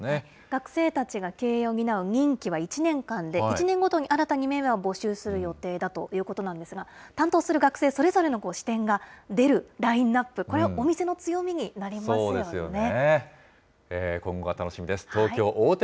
学生たちが経営を担う任期は１年間で、１年ごとに新たにメンバーを募集する予定だということなんですが、担当する学生それぞれの視点が出るラインナップ、これはお店の強みになりますよね。